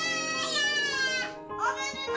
おめでとう！